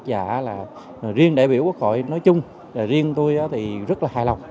và là riêng đại biểu quốc hội nói chung riêng tôi thì rất là hài lòng